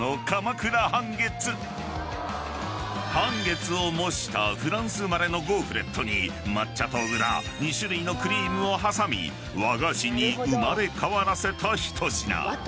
［半月を模したフランス生まれのゴーフレットに抹茶と小倉２種類のクリームを挟み和菓子に生まれ変わらせた一品］